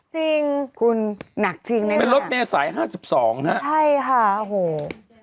จริงคุณหนักจริงไหมคะเป็นรถเมล์สาย๕๒นะใช่ค่ะโอ้โห